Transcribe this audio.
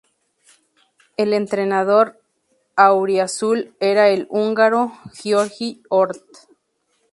El entrenador auriazul era el húngaro György Orth.